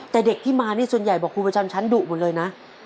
แต่เด็กที่มานี่ส่วนใหญ่บอกครูประจำชั้นดุหมดเลยนะ